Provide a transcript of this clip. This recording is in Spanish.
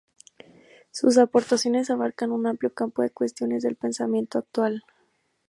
Sus aportaciones abarcan un amplio campo de cuestiones del pensamiento actual.